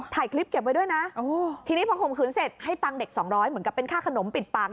ถ่ายคลิปเก็บไว้ด้วยนะทีนี้พอข่มขืนเสร็จให้ตังค์เด็กสองร้อยเหมือนกับเป็นค่าขนมปิดปาก